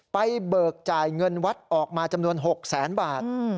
เบิกจ่ายเงินวัดออกมาจำนวน๖แสนบาท